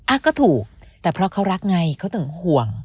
อ่ะก็ถูกแต่เพราะเขารักไงเขาถึงห่วง